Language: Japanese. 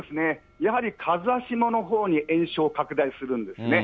やはり風下のほうに延焼拡大するんですね。